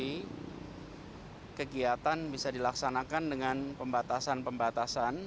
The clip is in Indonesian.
ini kegiatan bisa dilaksanakan dengan pembatasan pembatasan